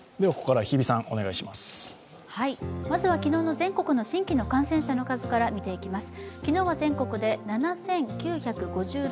まずは、昨日の全国の新規感染者の数から見ていきます。